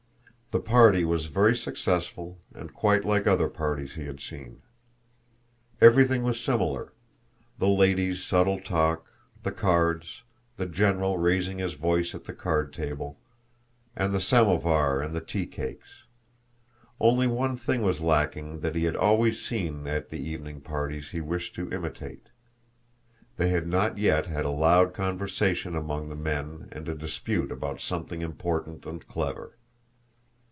The party was very successful and quite like other parties he had seen. Everything was similar: the ladies' subtle talk, the cards, the general raising his voice at the card table, and the samovar and the tea cakes; only one thing was lacking that he had always seen at the evening parties he wished to imitate. They had not yet had a loud conversation among the men and a dispute about something important and clever.